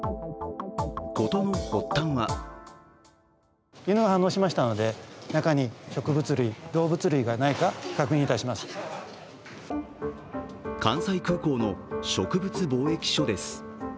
事の発端は関西空港の植物防疫所です。